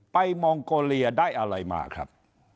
มองโกเลียได้อะไรมาครับ